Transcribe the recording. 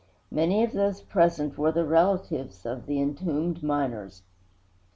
Many of those present were the relatives of the entombed miners.